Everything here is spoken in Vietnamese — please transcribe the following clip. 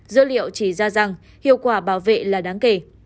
dữ liệu chỉ ra rằng hiệu quả bảo vệ là đáng kể